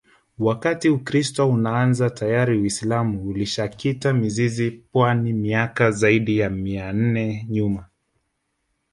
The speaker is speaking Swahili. Wakati Ukiristo unaanza tayari uisilamu ulishakita mizizi pwani miaka ziaidi ya mia nne nyuma